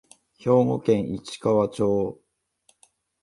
兵庫県市川町